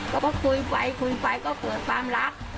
ก็คุยไปก็เผื่อสามลัก